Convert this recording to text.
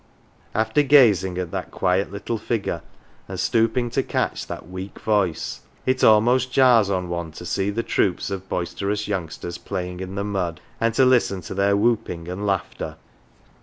After gazing at that quiet little figure, and stooping to catch that weak voice, it almost jars on one to see the troops of bois terous young sters playing in the mud, and to listen to their whooping and laughter.